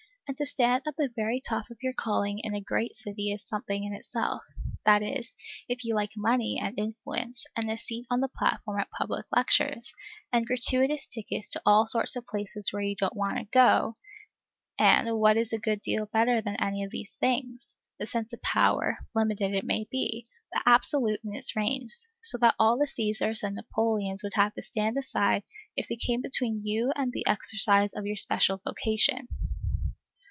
And to stand at the very top of your calling in a great city is something in itself, that is, if you like money, and influence, and a seat on the platform at public lectures, and gratuitous tickets to all sorts of places where you don't want to go, and, what is a good deal better than any of these things, a sense of power, limited, it may be, but absolute in its range, so that all the Caesars and Napoleons would have to stand aside, if they came between you and the exercise of your special vocation.